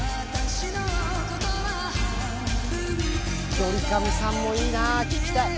ドリカムさんもいいな聴きたい。